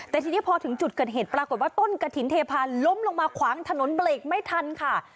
แต่ทีนี้พอถึงจุดเกิดเหตุปรากฏว่าต้นกระถิ่นเทพานล้มลงมาขวางถนนเบรกไม่ทันค่ะ